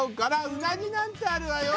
うなぎなんてあるわよ